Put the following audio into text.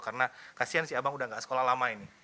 karena kasihan si abang udah enggak sekolah lama ini